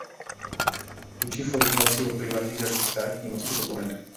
Vůči formulaci o privatizaci státní moci se soud ohradil.